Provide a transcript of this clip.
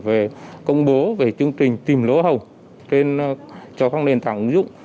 về công bố về chương trình tìm lỗ hồng cho các nền tảng ứng dụng